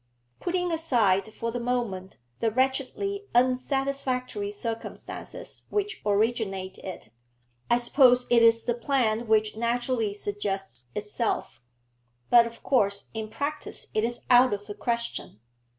Putting aside for the moment the wretchedly unsatisfactory circumstances which originate it, I suppose it is the plan which naturally suggests itself. But, of course, in practice it is out of the question.'